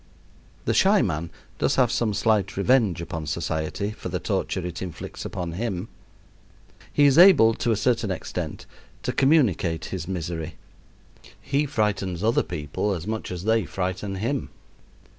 The shy man does have some slight revenge upon society for the torture it inflicts upon him. He is able, to a certain extent, to communicate his misery. He frightens other people as much as they frighten him.